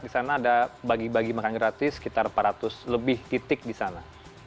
disana ada bagi bagi makanan gratis sekitar empat ratus lebih titik disana